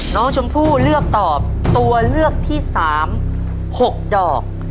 น้องชมพู่เลือกตอบตัวเลือกที่๓๖ดอก